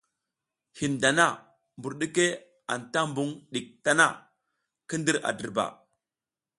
Hin dana mbur ɗike anta mbuƞ ɗik tana, ki ndir a dirba.